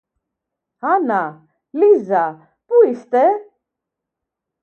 Άννα! Λίζα! Πού είστε;